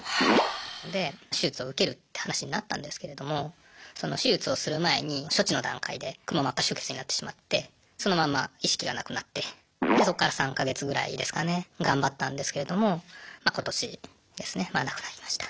で手術を受けるって話になったんですけれどもその手術をする前に処置の段階でくも膜下出血になってしまってそのまま意識がなくなってでそこから３か月ぐらいですかね頑張ったんですけれどもま今年ですねまあ亡くなりました。